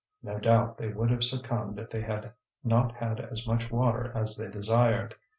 No doubt they would have succumbed if they had not had as much water as they desired.